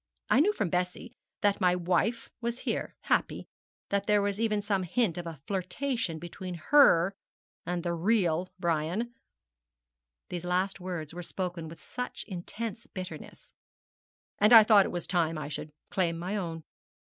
I knew from Bessie that my wife was here, happy. There was even some hint of a flirtation between her and the real Brian,' these last words were spoken with intense bitterness, 'and I thought it was time I should claim my own.'